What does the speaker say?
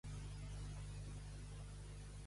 Els gossos, jaient, es guanyen la vida.